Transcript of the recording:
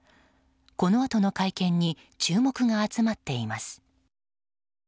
このあとの会見に注目が集まっています。